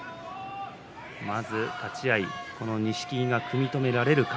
まず立ち合いこの錦木が組み止められるか。